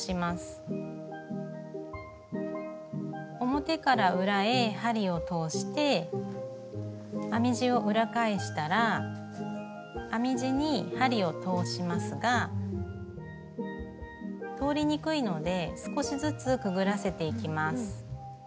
表から裏へ針を通して編み地を裏返したら編み地に針を通しますが通りにくいので少しずつくぐらせていきます。